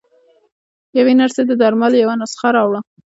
يوې نرسې د درملو يوه نسخه راوړه.